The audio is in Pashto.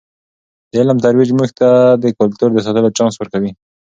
د علم ترویج موږ ته د کلتور د ساتلو چانس ورکوي.